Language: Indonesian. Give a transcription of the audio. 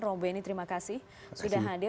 romo beni terima kasih sudah hadir